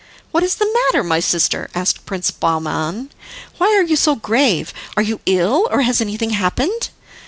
"What is the matter, my sister?" asked Prince Bahman; "why are you so grave? Are you ill? Or has anything happened?"